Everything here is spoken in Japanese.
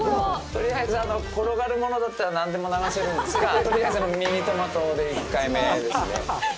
とりあえず転がるものだったら、何でも流せるんですが、とりあえずミニトマトで１回目ですね。